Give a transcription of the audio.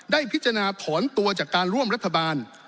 ได้พิจารณาถอนตัวจากการร่วมรัฐบาล